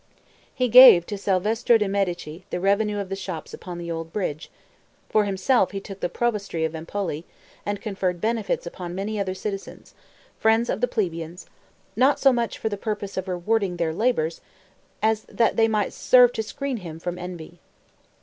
He gave to Salvestro de' Medici the revenue of the shops upon the Old Bridge; for himself he took the provostry of Empoli, and conferred benefits upon many other citizens, friends of the plebeians; not so much for the purpose of rewarding their labors, as that they might serve to screen him from envy.